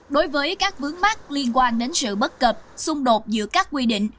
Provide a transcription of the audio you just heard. đối với các vướng mắc liên quan đến sự bất cập xung đột giữa các quy định